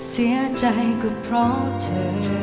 เสียใจก็เพราะเธอ